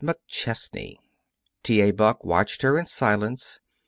MCCHESNEY." T. A. Buck watched her in silence.